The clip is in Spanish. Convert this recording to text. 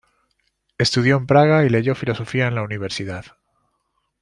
Estudió en Praga y leyó Filosofía en la Universidad.